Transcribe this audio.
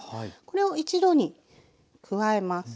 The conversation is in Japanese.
これを一度に加えます。